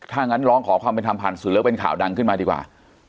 ถ้างั้นร้องขอความเป็นธรรมผ่านสื่อแล้วเป็นข่าวดังขึ้นมาดีกว่า